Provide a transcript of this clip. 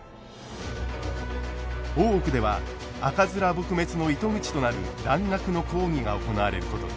大奥では赤面撲滅の糸口となる蘭学の講義が行われることに。